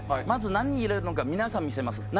まず何入れるのか皆さんに見せます。